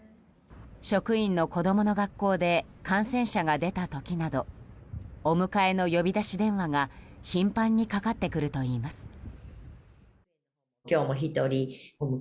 職員の子供の学校で感染者が出た時などお迎えの呼び出し電話が頻繁にかかってくるといいます。